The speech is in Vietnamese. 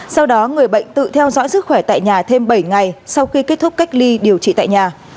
sau đó người bệnh tự theo dõi sức khỏe tại nhà thêm bảy ngày sau khi kết thúc cách ly điều trị tại nhà